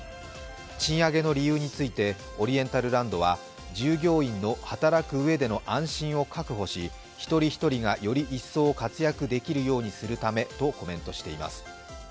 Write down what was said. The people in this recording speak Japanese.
賃上げの理由について、オリエンタルランドは従業員の働くうえでの安心を確保し、一人一人がより一層活躍できるようにするためとコメントしています。